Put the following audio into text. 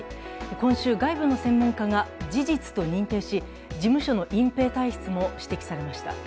今週、外部の専門家が事実と認定し事務所の隠蔽体質も指摘されました。